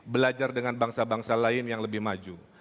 belajar dengan bangsa bangsa lain yang lebih maju